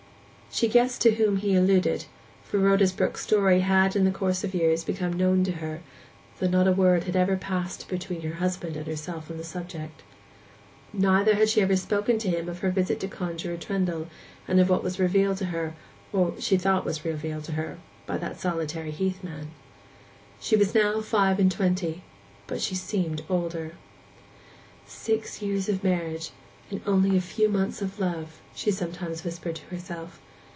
She guessed to whom he alluded; for Rhoda Brook's story had in the course of years become known to her; though not a word had ever passed between her husband and herself on the subject. Neither had she ever spoken to him of her visit to Conjuror Trendle, and of what was revealed to her, or she thought was revealed to her, by that solitary heath man. She was now five and twenty; but she seemed older. 'Six years of marriage, and only a few months of love,' she sometimes whispered to herself.